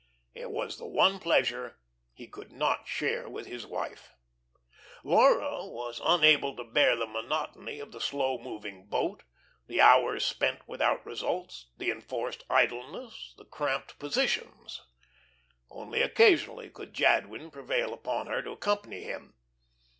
It was the one pleasure he could not share with his wife. Laura was unable to bear the monotony of the slow moving boat, the hours spent without results, the enforced idleness, the cramped positions. Only occasionally could Jadwin prevail upon her to accompany him.